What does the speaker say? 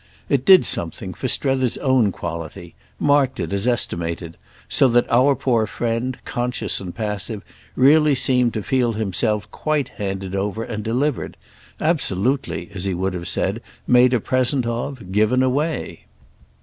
It did something for Strether's own quality—marked it as estimated; so that our poor friend, conscious and passive, really seemed to feel himself quite handed over and delivered; absolutely, as he would have said, made a present of, given away.